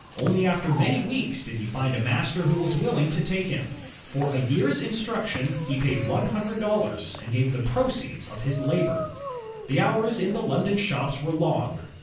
Only after many weeks did he find a master who was willing to take him. For a year's instruction, he paid one hundred dollars and gave the proceeds of his labor. The hours in the London shops were long.